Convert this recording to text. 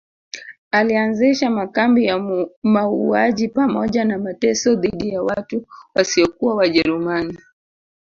Alianzisha makambi ya mauaji pamoja na mateso dhidi ya watu wasiokuwa wajerumani